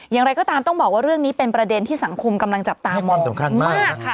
อย่างไรก็ตามต้องบอกว่าเรื่องนี้เป็นประเด็นที่สังคมกำลังจับตามองสำคัญมากค่ะ